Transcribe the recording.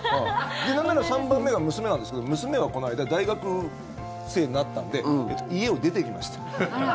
なんなら３番目が娘なんですけど娘はこの間、大学生になったんで家を出ていきました。